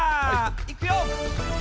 いくよ！